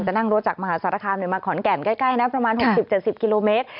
นั่งรถจากมหาสารคามมาขอนแก่นใกล้นะประมาณ๖๐๗๐กิโลเมตร